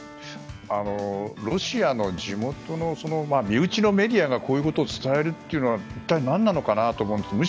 ロシアの地元の身内のメディアがこういうことを伝えるというのは一体何なのかなと思って。